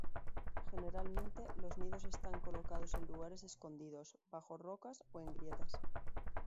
Generalmente los nidos están colocados en lugares escondidos, bajo rocas o en grietas.